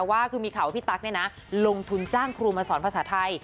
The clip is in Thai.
ว่าคือมีข่าวว่าพี่ตั๊กลงทุนจ้างครูมาสอนภาษาไทย